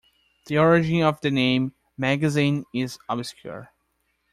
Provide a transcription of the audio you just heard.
The origin of the name "Magazine" is obscure.